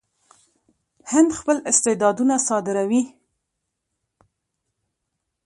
هند خپل استعدادونه صادروي.